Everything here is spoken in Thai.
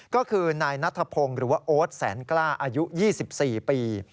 ก็คือนายนัทพงศ์หรือว่าโอ๊ตแสนกล้าอายุ๒๔ปี